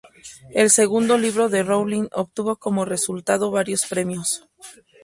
El segundo libro de Rowling obtuvo como resultado varios premios.